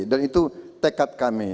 dan itu tekad kami